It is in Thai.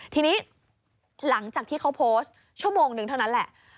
ทีนี้หลังจากที่เขาโพสต์ชั่วโมงนึงเท่านั้นแหละ